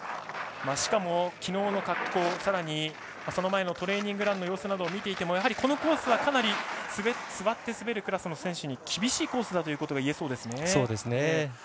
しかも、昨日の滑降トレーニングランの様子などを見ていてもこのコースはかなり座って滑るクラスの選手に厳しいコースだといえますね。